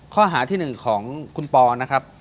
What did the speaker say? ข้อหาที่๑ของคุณปอล์